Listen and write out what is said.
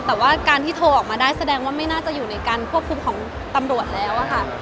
แต่ว่าการที่โทรออกมาได้แสดงว่าไม่น่าจะอยู่ในการควบคุมของตำรวจแล้วค่ะ